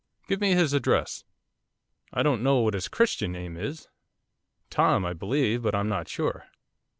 'Give me his address.' 'I don't know what his Christian name is, Tom, I believe, but I'm not sure.